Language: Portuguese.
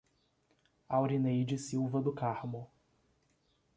Aurineide Silva do Carmo